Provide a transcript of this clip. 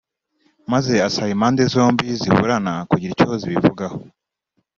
maze asaba impande zombi ziburana kugira icyo zibivugaho